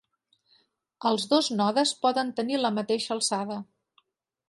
Els dos nodes poden tenir la mateixa alçada.